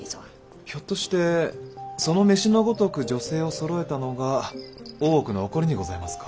ひょっとしてその飯のごとく女性をそろえたのが大奥の起こりにございますか？